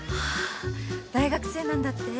大学生なんだって？